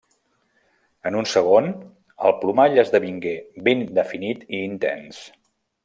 En un segon, el plomall esdevingué ben definit i intens.